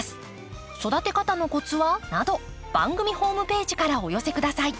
育て方のコツは？など番組ホームページからお寄せ下さい。